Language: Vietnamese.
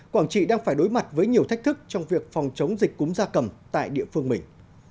quảng trị đang phải đối mặt với nhiều thách thức trong việc phòng chống dịch cúm da cầm tại địa phương mình